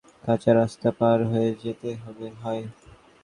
কাঁচা রাস্তা পার হয়ে যেতে হয়।